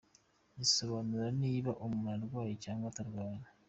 risobanura niba umuntu arwaye cyangwa atarwaye.